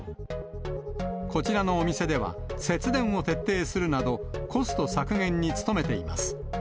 こちらのお店では、節電を徹底するなど、コスト削減に努めています。